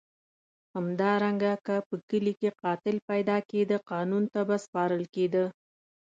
همدارنګه که په کلي کې قاتل پیدا کېده قانون ته به سپارل کېد.